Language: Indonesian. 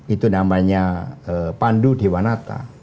itu namanya pandu dewanata